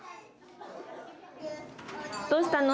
どうしたの？